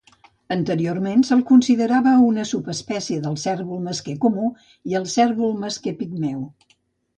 Anteriorment se'l considerava una subespècie del cérvol mesquer comú i el cérvol mesquer pigmeu.